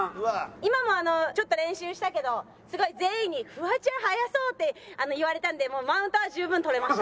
今もあのちょっと練習したけどすごい全員にフワちゃん速そうって言われたんでもうマウントは十分取れました。